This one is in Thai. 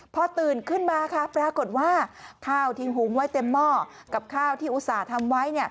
พอตื่นขึ้นมาค่ะปรากฏว่าข้าวทิ้งหุงไว้เต็มหม้อกับข้าวที่อุตส่าห์ทำไว้